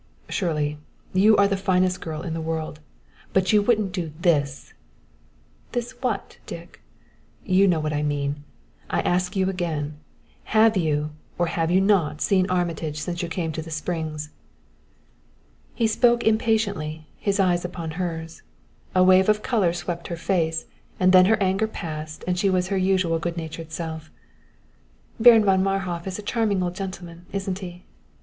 "Shirley, you are the finest girl in the world, but you wouldn't do this " "This what, Dick?" "You know what I mean. I ask you again have you or have you not seen Armitage since you came to the Springs?" He spoke impatiently, his eyes upon hers. A wave of color swept her face, and then her anger passed and she was her usual good natured self. "Baron von Marhof is a charming old gentleman, isn't he?"